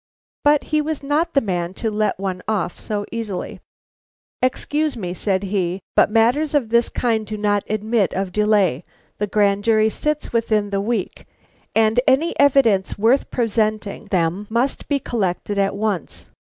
But he was not the man to let one off so easily. "Excuse me," said he, "but matters of this kind do not admit of delay. The grand jury sits within the week, and any evidence worth presenting them must be collected at once.